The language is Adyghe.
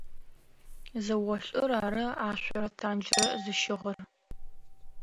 Зэолӏыр ары ашъорэ танджрэ зыщыгъыр.